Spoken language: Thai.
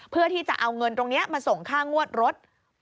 เพื่อที่จะเอาเงินตรงนี้มาส่งค่างวดรถ